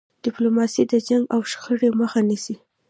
ډيپلوماسي د جنګ او شخړې مخه نیسي.